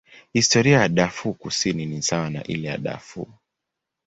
Historia ya Darfur Kusini ni sawa na ile ya Darfur.